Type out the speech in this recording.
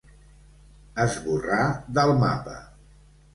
Esborrar del mapa.